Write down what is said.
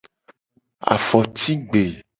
Afotigbe.